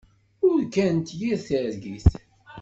Urgant yir targit.